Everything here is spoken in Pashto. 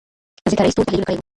ځکه رییس ټول تحلیلونه کړي وو.